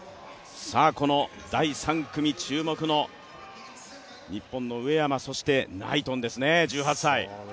この第３組、注目の日本の上山そして、ナイトンですね、１８歳。